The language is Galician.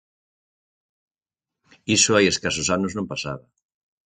Iso hai escasos anos non pasaba.